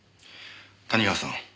谷川さん。